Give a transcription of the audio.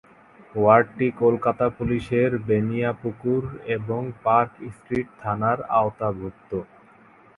ওয়ার্ডটি কলকাতা পুলিশের বেনিয়াপুকুর এবং park street থানার আওতাভুক্ত।